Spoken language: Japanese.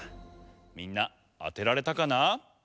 みんなあてられたかな？